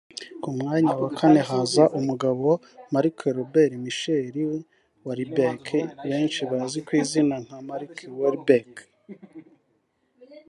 Ku mwanya wa kane haza umugabo Mark Robert Michael Wahlberg benshi bazi ku izina nka Mark Wahlberg